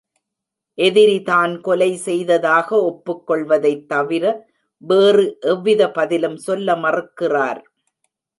எதிரி தான் கொலை செய்ததாக ஒப்புக்கொள்வதைத் தவிர வேறு எவ்வித பதிலும் சொல்ல மறுக்கிறார்.